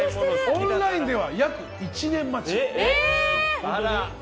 オンラインでは約１年待ち。